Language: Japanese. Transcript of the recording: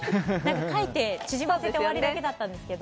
描いて、縮むっていうだけだったんですけど。